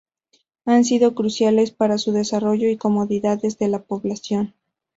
Han sido cruciales para su desarrollo y comodidades de la población.